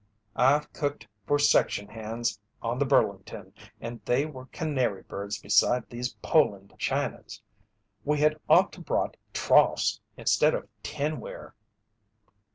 "I've cooked for section hands on the Burlington, and they were canary birds beside these Poland Chinas. We had ought to brought troughs instead of tinware."